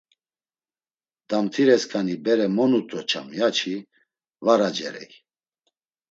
Damtiresǩani bere mo nut̆oçam ya çi; var acerey.